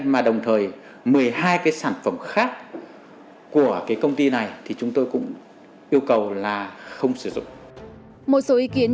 mà đồng thời một mươi hai cái sản phẩm khác của cái công ty này thì chúng tôi cũng yêu cầu là không sử dụng